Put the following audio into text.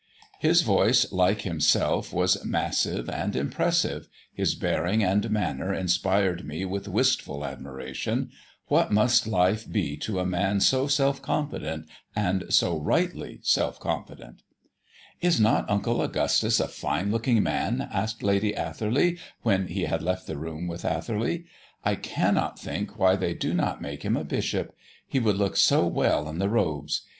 His voice, like himself, was massive and impressive; his bearing and manner inspired me with wistful admiration: what must life be to a man so self confident, and so rightly self confident? "Is not Uncle Augustus a fine looking man?" asked Lady Atherley, when he had left the room with Atherley. "I cannot think why they do not make him a bishop; he would look so well in the robes.